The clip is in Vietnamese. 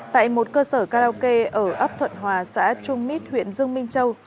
tại một cơ sở karaoke ở ấp thuận hòa xã trung mít huyện dương minh châu